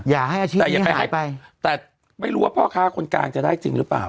อย่าให้อาชีพนี้หายไปแต่ไม่รู้ว่าพ่อค้าคนกลางจะได้จริงหรือเปล่า